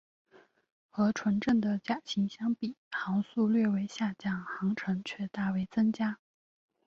和纯正的甲型相比航速略为下降航程却大为增加。